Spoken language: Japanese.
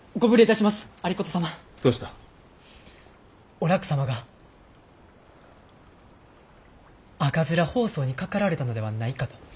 お楽様が赤面疱瘡にかかられたのではないかと。